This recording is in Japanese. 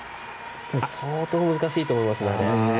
相当難しいと思いますね。